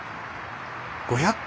５００回